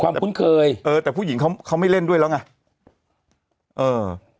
คุ้นเคยเออแต่ผู้หญิงเขาเขาไม่เล่นด้วยแล้วไงเออ